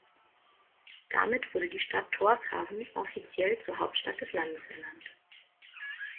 Damit wurde die Stadt Tórshavn offiziell zur Hauptstadt des Landes ernannt.